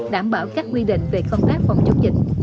đảm bảo các quy định về công tác phòng chống dịch